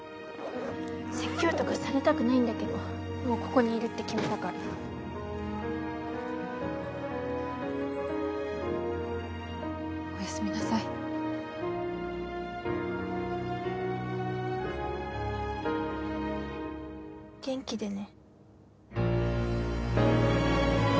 説教とかされたくないんだけどもうここにいるって決めたからおやすみなさい元気でね